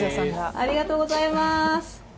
ありがとうございます。